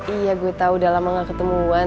iya gue tau udah lama gak ketemuan